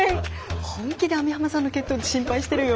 本気で網浜さんの血糖値心配してるよ。